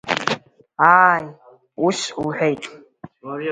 Ааи, ус лҳәеит…